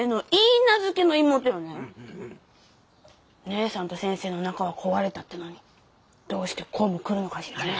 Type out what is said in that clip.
姉さんと先生の仲は壊れたってのにどうしてこうも来るのかしらね。